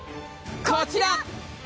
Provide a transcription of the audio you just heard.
こちら。